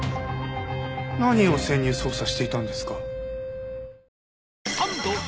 何を潜入捜査していたんですか？